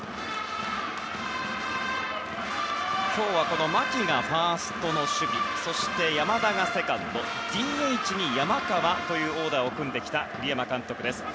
今日は牧がファーストの守備そして山田がセカンドＤＨに山川というオーダーを組んできた栗山監督。